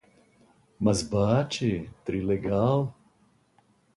Mas bah tchê, trilegal